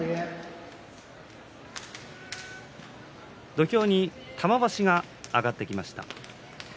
土俵に玉鷲が上がってきました。